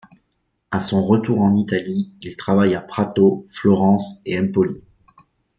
À son retour en Italie, il travaille à Prato, Florence et Empoli.